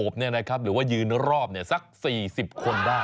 ใช้คนโอบหรือว่ายืนรอบสัก๔๐คนได้